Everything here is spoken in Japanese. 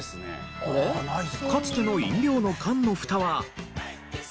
かつての飲料の缶の蓋は。